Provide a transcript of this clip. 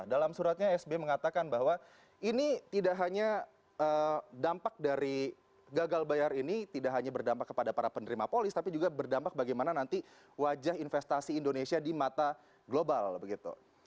dalam suratnya sbi mengatakan bahwa ini tidak hanya dampak dari gagal bayar ini tidak hanya berdampak kepada para penerima polis tapi juga berdampak bagaimana nanti wajah investasi indonesia di mata global begitu